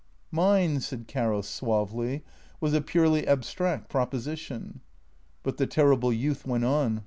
" Mine," said Caro suavely, " was a purely abstract proposi tion." But the terrible youth went on.